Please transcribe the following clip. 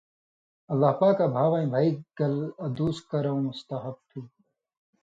اللہ پاکاں بھا وَیں بھَئ گیل ادُوس کَرٶں مستحب تھُو۔